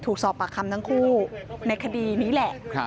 ถูกสอบปากคำทั้งคู่ในคดีนี้แหละ